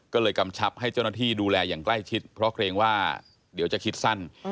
ก็เลยกำชับให้เจ้าหน้าที่ดูแลอย่างใกล้ชิดเพราะเกรงว่าเดี๋ยวจะคิดสั้น